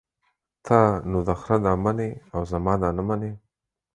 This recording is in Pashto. ته نو دخره ده منې او زما ده نه منې.